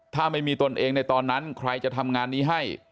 ถ้าไม่มีตนเองในตอนนั้นใครจะทำงานนี้ให้